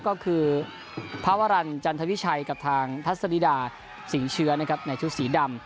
ก็คือพระวรรณจันทวิชัยกับทางทัศดิดาสิงเชื้อนะครับในชุดสีดำ